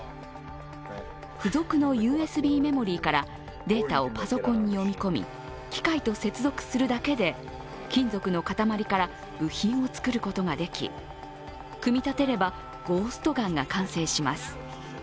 付属のＵＳＢメモリーからデータをパソコンに読み込み、機械と接続するだけで金属の塊から部品を作ることができ組み立てればゴーストガンが完成します。